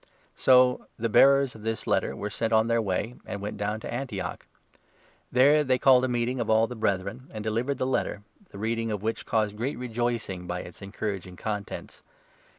So the bearers of this letter were sent on their way, and 30 went down to Antioch. There they called a meeting of all the Brethren, and delivered the letter, the reading of which caused 31 great rejoicing by its encouraging contents.